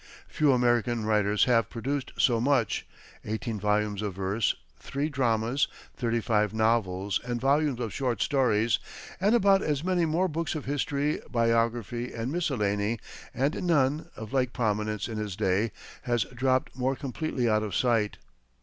Few American writers have produced so much eighteen volumes of verse, three dramas, thirty five novels and volumes of short stories, and about as many more books of history, biography and miscellany and none, of like prominence in his day, has dropped more completely out of sight.